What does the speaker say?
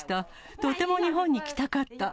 とても日本に来たかった。